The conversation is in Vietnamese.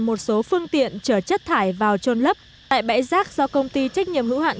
một số phương tiện chở chất thải vào trôn lấp tại bãi rác do công ty trách nhiệm hữu hạn